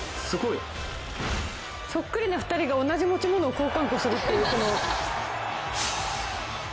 そっくりな２人が同じ持ち物を交換こするっていう。